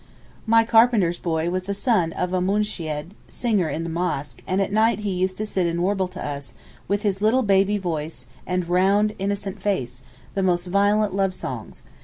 My carpenter's boy was the son of a moonsheed (singer in the Mosque), and at night he used to sit and warble to us, with his little baby voice, and little round, innocent face, the most violent love songs.